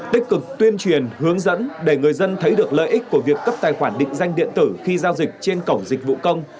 tích cực tuyên truyền hướng dẫn để người dân thấy được lợi ích của việc cấp tài khoản định danh điện tử khi giao dịch trên cổng dịch vụ công